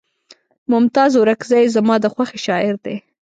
ممتاز اورکزے زما د خوښې شاعر دے